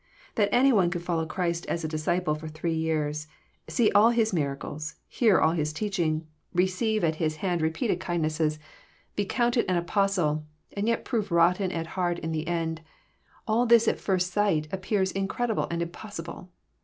That any one could follow Christ as a disciple for three years, see all His miracles, hear all His teaching, receive at Hia 810 EXFOSITOBT THOUGHTS. hand repeated kindnesses, be counted an Apostle, and yet prove rotten at heart in the end, all this at first sight appears incredible and impossible